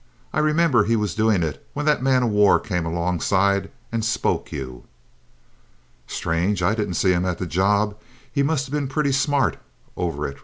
I remember he was doing it when that man of war came alongside and spoke you." "Strange I didn't see him at the job; he must have been pretty smart over it!"